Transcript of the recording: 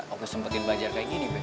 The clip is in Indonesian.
oki sempetin belajar kayak gini be